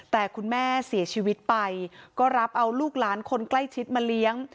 แต่คุณแม่เสียชีวิตไปก็รับเอาลูกหลานคนใกล้ชิดมาเลี้ยง